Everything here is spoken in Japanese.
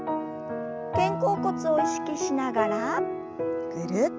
肩甲骨を意識しながらぐるっと。